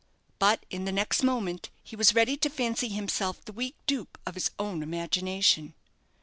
But in the next moment he was ready to fancy himself the weak dupe of his own imagination.